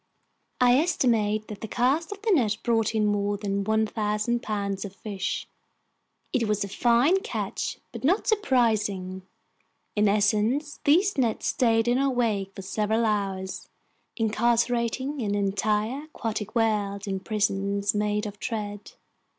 I estimate that this cast of the net brought in more than 1,000 pounds of fish. It was a fine catch but not surprising. In essence, these nets stayed in our wake for several hours, incarcerating an entire aquatic world in prisons made of thread.